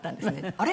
あれ？